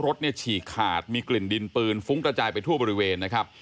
รถเนี่ยฉีกขาดมีกลิ่นดินปืนฟุ้งกระจายไปทั่วบริเวณนะครับ